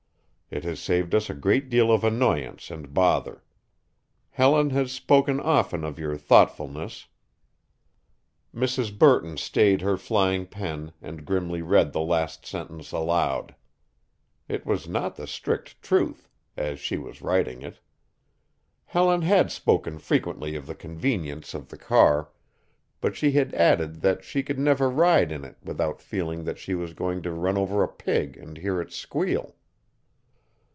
It has saved us a great deal of annoyance and bother. Helen has spoken often of your thoughtfulness" Mrs. Burton stayed her flying pen and grimly read the last sentence aloud. It was not the strict truth, as she was writing it. Helen had spoken frequently of the convenience of the car, but she had added that she could never ride in it without feeling that she was going to run over a pig and hear it squeal.